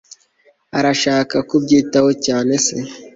urashaka kubyitaho cyane se